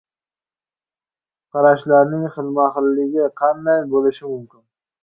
Qarashlarning xilma-xilligi qanday bo‘lishi mumkin